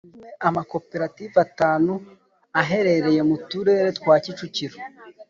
hasuzumwe amakoperative atanu aherereye mu turere twa kicukiro,